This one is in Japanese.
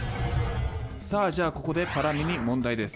さあじゃあここでパラミに問題です。